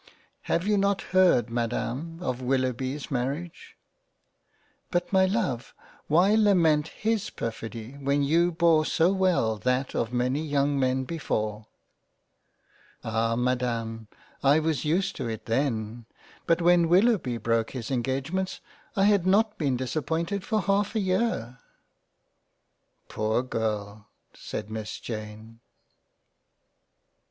" Have you not heard Madam of Willoughby's Mar riage ?"" But my love why lament his perfidy, when you bore so well that of many young Men before ?"" Ah ! Madam, I was used to it then, but when Willoughby broke his Engagements I had not been dissapointed for half a year." " Poor Girl !" said Miss Jane.